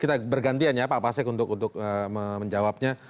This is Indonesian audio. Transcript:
kita bergantian ya pak pasek untuk menjawabnya